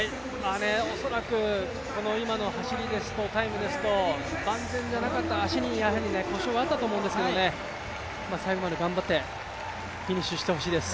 恐らく今の走り、タイムですと、万全でなかった、足にやはり故障があったと思うんですけど、最後まで頑張ってフィニッシュしてほしいです。